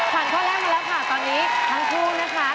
ข้อแรกมาแล้วค่ะตอนนี้ทั้งคู่นะคะ